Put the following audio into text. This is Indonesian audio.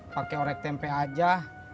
pakai orek tempe aja